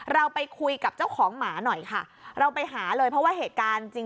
เราไปคุยกับเจ้าของหมาหน่อยค่ะเราไปหาเลยเพราะว่าเหตุการณ์จริง